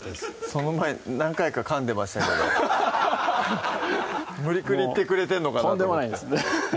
その前何回かかんでましたけど無理くり言ってくれてんのかなととんでもないです